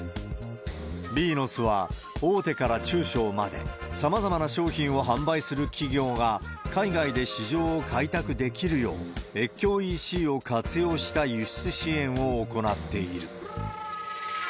ビーノスは、大手から中小まで、さまざまな商品を販売する企業が海外で市場を開拓できるよう、越境ＥＣを活用した輸出支援を行っている。